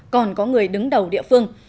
còn có người đứng đầu địa phương